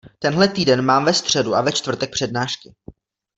Tenhle týden mám ve středu a ve čtvrtek přednášky.